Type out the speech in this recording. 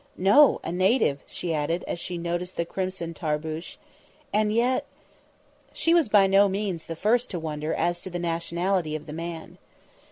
"No! a native," she added, as she noticed the crimson tarbusch. "And yet ..." She was by no means the first to wonder as to the nationality of the man.